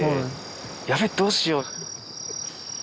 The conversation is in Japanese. ヤベえどうしよう。